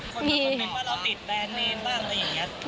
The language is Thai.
คนเดี๋ยวคงมิ่งว่าเราติดแบรนด์นี้บ้างอะไรอย่างนี้